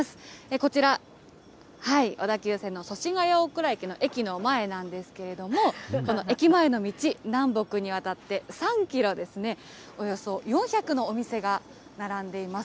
こちら、小田急線の祖師ヶ谷大蔵駅の駅の前なんですけれども、この駅前の道、南北にわたって３キロですね、およそ４００のお店が並んでいます。